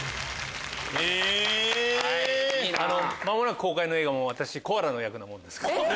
間もなく公開の映画も私コアラの役なもんですから。